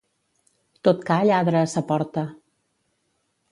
Tot ca lladra a sa porta.